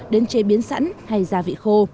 đến chế biến sẵn hay gia vị khô